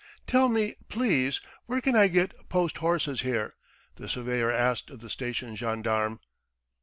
"Tell me, please, where can I get post horses here?" the surveyor asked of the station gendarme.